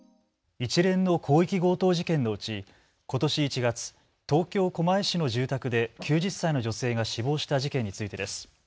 一連の広域強盗事件のうちことし１月、東京狛江市の住宅で９０歳の女性が死亡した事件についてです。